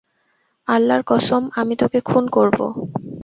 আল্লার কসম আমি তোকে খুন করব।